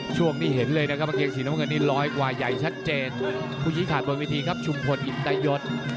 ช่วงนี้เห็นเลยนะครับกางเกงสีน้ำเงินนี่ร้อยกว่าใหญ่ชัดเจนผู้ชี้ขาดบนวิธีครับชุมพลอินตยศ